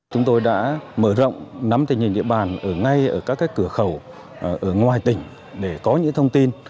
chúng tôi đã mở rộng nắm tình hình địa bàn ở ngay ở các cửa khẩu ở ngoài tỉnh để có những thông tin